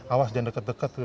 awas jangan deket deket tuh